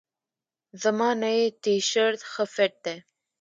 زما نئی تیشرت ښه فټ ده.